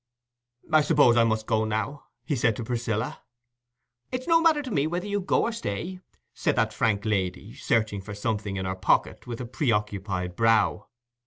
"I suppose I must go now," he said to Priscilla. "It's no matter to me whether you go or stay," said that frank lady, searching for something in her pocket, with a preoccupied brow.